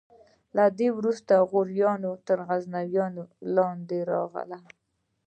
له دې څخه وروسته غوریان تر غزنویانو لاندې راغلل.